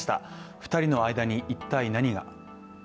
２人の間に一体何が。